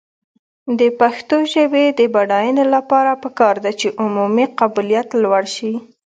د پښتو ژبې د بډاینې لپاره پکار ده چې عمومي قبولیت لوړ شي.